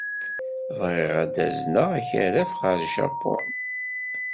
Bɣiɣ ad azneɣ akaraf ɣer Japun.